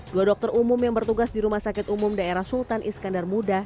dua dokter umum yang bertugas di rumah sakit umum daerah sultan iskandar muda